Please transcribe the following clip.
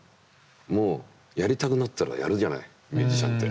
もうやりたくなったらやるじゃないミュージシャンって。